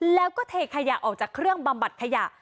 แล้วก็เทขยะออกจากเครื่องบำบัดขยะ